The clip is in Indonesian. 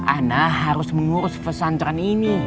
anak harus mengurus pesantren ini